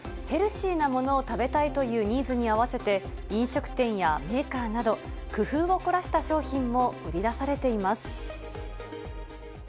ヘルシーなものを食べたいというニーズに合わせて、飲食店やメーカーなど、工夫を凝らした商品も売り出されています。